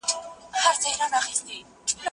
کېدای شي زه منډه ووهم؟